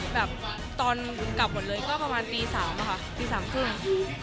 แบบตอนกลับหมดเลยก็ประมาณตี๓ค่ะตีสามครึ่ง